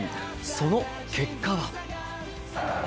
その結果は。